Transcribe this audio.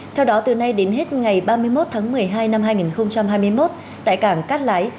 theo đó từ nay đến hết ngày ba mươi một tháng một mươi hai năm hai nghìn hai mươi một tại cảng cát lái